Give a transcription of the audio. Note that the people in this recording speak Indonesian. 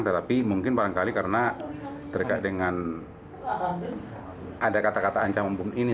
tetapi mungkin barangkali karena terdekat dengan ada kata kata ancam umpun ini